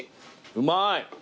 うまい。